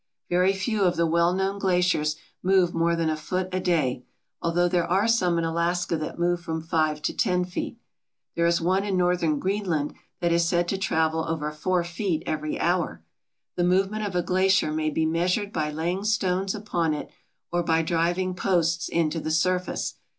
Very few of the well known glaciers move more than a foot a day, although there are some in Alaska that move from five to ten feet. There is one in northern Greenland that is said to travel over four feet every hour. The movement of a glacier may be measured by laying stones upon it or by driving posts into the surface.